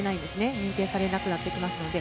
認定されなくなってきますので。